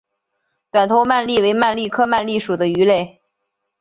短头鳗鲡为鳗鲡科鳗鲡属的鱼类。